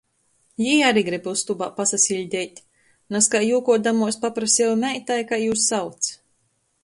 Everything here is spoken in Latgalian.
Jī ari grib ustobā pasasiļdeit. Nazkai jūkuodamuos papraseju meitai, kai jū sauc.